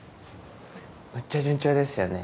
むっちゃ順調ですよね